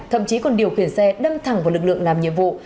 thậm chí còn điều khiển xe đâm thẳng vào lực lượng làm nhiệm vụ